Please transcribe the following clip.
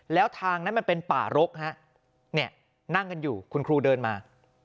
แล้วทางนั้นมันเป็นป่ารกฮะเนี่ยนั่งกันอยู่คุณครูเดินมา